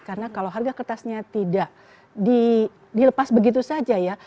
karena kalau harga kertasnya tidak dilepas begitu saja ya